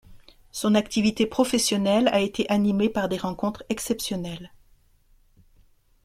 Son activité professionnelle a été animée par des rencontres exceptionnelles.